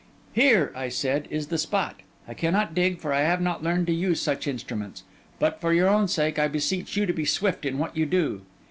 'Here,' I said, 'is the spot. I cannot dig, for I have not learned to use such instruments; but, for your own sake, I beseech you to be swift in what you do.